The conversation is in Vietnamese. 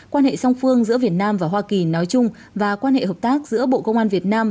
quan hệ song phương giữa việt nam và hoa kỳ nói chung và quan hệ hợp tác giữa bộ công an việt nam